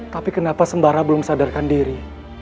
tapi kenapa sembara belum sadarkan diri